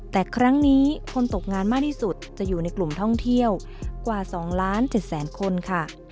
แต่ครั้งนี้คนตกงานมากที่สุดจะอยู่ในกลุ่มท่องเที่ยวกว่า๒ล้าน๗แสนคนค่ะ